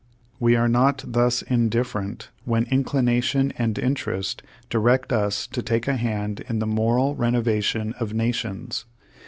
We are not thus indifferent when inclination and interest direct us to take a hand in the moral renovation of nations.